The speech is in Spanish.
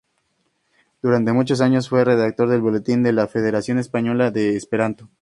Durante muchos años fue redactor del "Boletín" de la Federación Española de Esperanto.